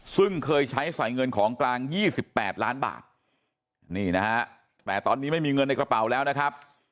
ซึ่งเคยใช้ใส่เงินของกลาง๒๘ล้านบาทนี่นะฮะแต่ตอนนี้ไม่มีเงินในกระเป๋าแล้วนะครับ